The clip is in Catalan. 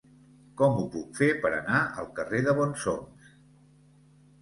Com ho puc fer per anar al carrer de Bonsoms?